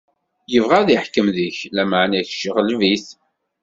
Ibɣa ad iḥkem deg-k, lameɛna, kečč ɣleb-it.